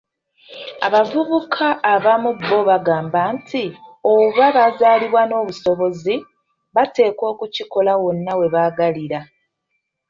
Abavubuka abamu bo bagamba nti, obanga bazaalibwa n'obusobozi, bateekwa okukikola wonna we baagalira.